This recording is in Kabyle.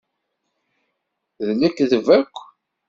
D lekdeb akk.